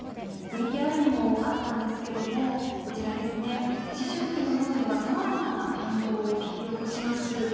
ＶＴＲにもあったんですけども思春期の脳ではさまざまな感情を引き起こします